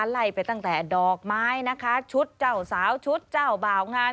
ไล่ไปตั้งแต่ดอกไม้นะคะชุดเจ้าสาวชุดเจ้าบ่าวงาน